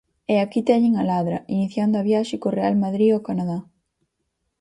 E aquí teñen a Ladra, iniciando a viaxe co Real Madrid ao Canadá.